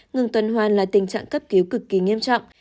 ngừng tuần hoàn là tình trạng cấp cứu cực kỳ nghiêm trọng